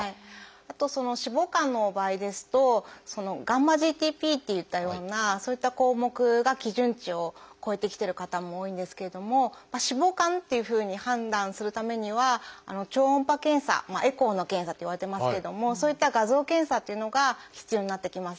あと脂肪肝の場合ですとγ−ＧＴＰといったようなそういった項目が基準値を超えてきてる方も多いんですけれども脂肪肝っていうふうに判断するためには超音波検査エコーの検査といわれてますけれどもそういった画像検査というのが必要になってきます。